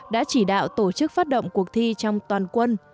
đã chỉ đạo tổ chức phát động cuộc thi trong toàn quân